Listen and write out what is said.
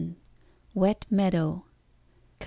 Wet meadow. Coll.